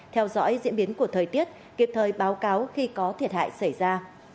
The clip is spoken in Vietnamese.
theo dõi diễn biến của thời tiết kịp thời báo cáo khi có thiệt hại xảy ra